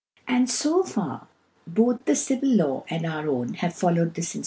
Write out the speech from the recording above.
And fo far both the Ci vil Law and our own have followed this In • L.